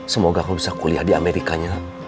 semoga kamu bisa kuliah di amerikanya